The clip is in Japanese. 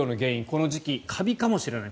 この時期、カビかもしれない。